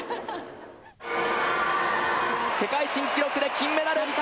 世界新記録で金メダル。